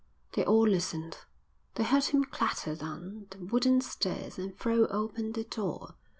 They all listened. They heard him clatter down the wooden stairs and throw open the door.